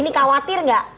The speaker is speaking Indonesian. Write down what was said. ini khawatir gak